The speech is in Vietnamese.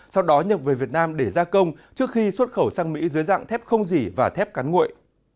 sau đó nhập về việt nam để gia công trước khi xuất khẩu sang mỹ dưới dạng thép không dỉ và thép cán nguội